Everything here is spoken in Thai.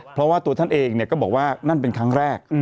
เพราะว่าตัวท่านเองก็บอกว่านั่นเป็นครั้งแรก